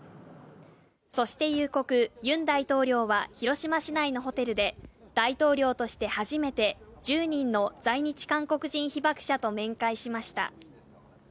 そして夕刻、ユン大統領は広島市内のホテルで、大統領として初めて１０人の在日韓国人被爆者と面会しました。